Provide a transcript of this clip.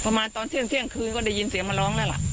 ประมาณตอนเที่ยงเที่ยงคืนก็ได้ยินเสียงมันร้องน่ะล่ะ